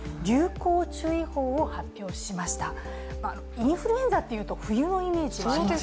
インフルエンザというと冬のイメージがありますよね。